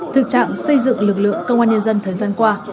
thực trạng xây dựng lực lượng công an nhân dân thời gian qua